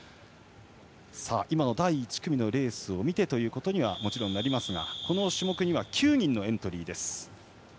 今の第１組のレースを見てということになりますがこの種目には９人のエントリー。